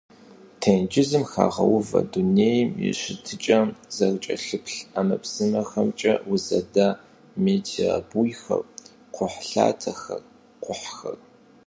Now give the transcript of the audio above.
Тенджызым хагъэувэ дунейм и щытыкӀэм зэрыкӀэлъыплъ ӀэмэпсымэхэмкӀэ узэда метеобуйхэр, кхъухьлъатэхэр, кхъухьхэр.